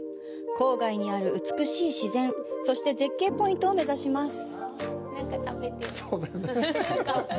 郊外にある美しい自然、そして絶景ポイントを目差します。